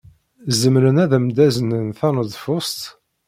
Zemren ad am-d-aznen taneḍfust?